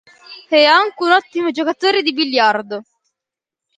È anche un ottimo giocatore di Biliardo.